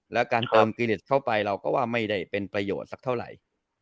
แล้วการเติมกิเลสเข้าไปเราก็ว่าไม่ได้เป็นประโยชน์สักเท่าไหร่